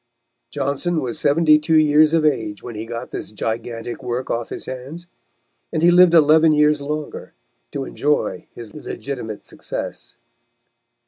Johnson was seventy two years of age when he got this gigantic work off his hands, and he lived eleven years longer to enjoy his legitimate success.